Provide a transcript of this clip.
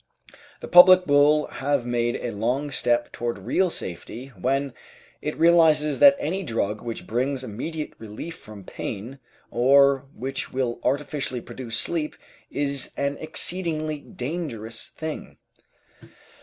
The public will have made a long step toward real safety when it realizes that any drug which brings immediate relief from pain or which will artificially produce sleep is an exceedingly dangerous thing.